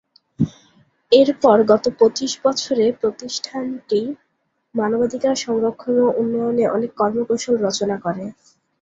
এরপর গত পঁচিশ বছরে প্রতিষ্ঠানটি মানবাধিকার সংরক্ষণ ও উন্নয়নে অনেক কর্মকৌশল রচনা করে।